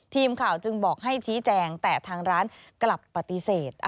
ทีมข่าวจึงบอกให้ชี้แจงแต่ทางร้านกลับปฏิเสธ